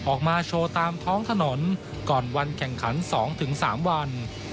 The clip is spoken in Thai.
ออกมาโชว์ตามท้องถนนก่อนวันแข่งขัน๒๓วัน